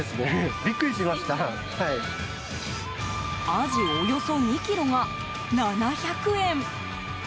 アジ、およそ２ｋｇが７００円。